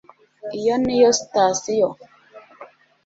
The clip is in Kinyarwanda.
iyo niyo sitasiyo